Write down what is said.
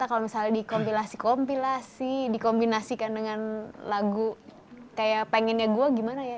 kalau misalnya dikompilasi kompilasi dikombinasikan dengan lagu kayak pengennya gue gimana ya